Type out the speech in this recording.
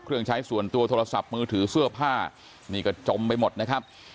ใช้ส่วนตัวโทรศัพท์มือถือเสื้อผ้านี่ก็จมไปหมดนะครับ